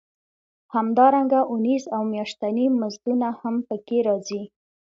همدارنګه اونیز او میاشتني مزدونه هم پکې راځي